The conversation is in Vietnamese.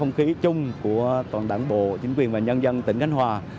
không khí chung của toàn đảng bộ chính quyền và nhân dân tỉnh khánh hòa